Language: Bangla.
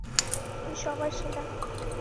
তুই সবার সেরা।